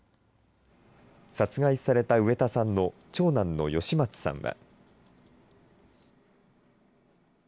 殺害された植田さんの長男の芳松さんは。